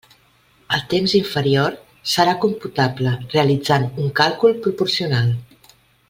El temps inferior serà computable realitzant un càlcul proporcional.